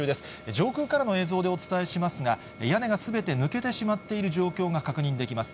上空からの映像でお伝えしますが、屋根がすべて抜けてしまっている状況が確認できます。